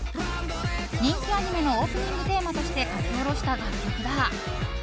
人気アニメのオープニングテーマとして書き下ろした楽曲だ。